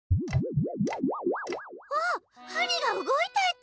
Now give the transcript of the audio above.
あっはりがうごいたち！